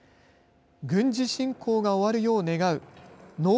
軍事侵攻が終わるよう願う